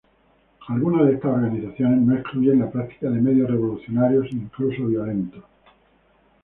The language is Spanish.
Algunas de estas organizaciones no excluyen la práctica de medios revolucionarios e incluso violentos.